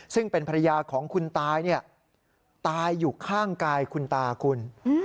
ซึ่งเป็นภรรยาของคุณตายตายอยู่ข้างกายคุณตาคุณ